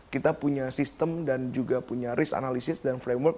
kita punya sistem dan juga punya risk analisis dan framework